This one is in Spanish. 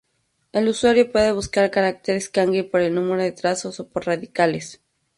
El usuario puede buscar caracteres Kanji por el número de trazos o por radicales.